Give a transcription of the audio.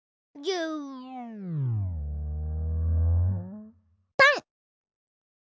ぎゅぱん！